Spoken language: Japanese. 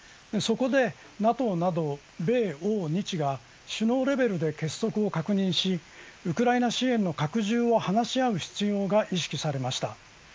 そこで、ＮＡＴＯなど米欧日が首脳レベルで結束を確認しウクライナ支援の拡充を話し合う必要が意識されました。